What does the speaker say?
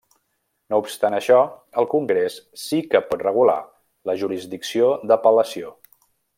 No obstant això, el Congrés sí que pot regular la jurisdicció d'apel·lació.